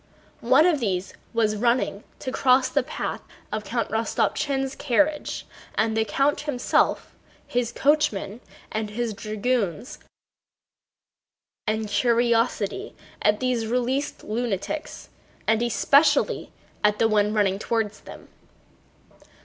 One of these was running to cross the path of Count Rostopchín's carriage, and the count himself, his coachman, and his dragoons looked with vague horror and curiosity at these released lunatics and especially at the one running toward them.